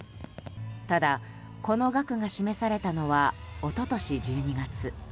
ただ、この額が示されたのは一昨年１２月。